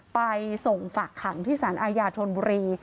ไปส่งฝากขังที่ศาลอายาธรณ์บรี